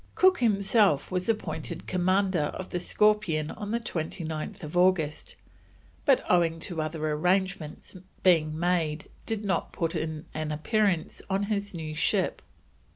Cook himself was appointed Commander of the Scorpion on 29th August, but owing to other arrangements being made did not put in an appearance on his new ship.